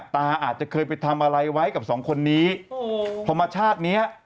อาจจะเคยไปทำอะไรไว้กับสองคนนี้พอมาชาติเนี้ย